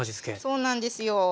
そうなんですよ。